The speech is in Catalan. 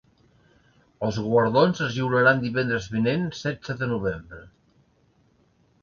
Els guardons es lliuraran divendres vinent, setze de novembre.